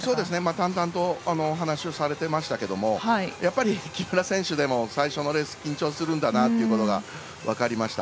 淡々と話をされていましたけれどもやっぱり木村選手でも最初のレースは緊張するんだなと分かりました。